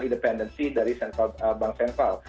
independensi dari bank sentral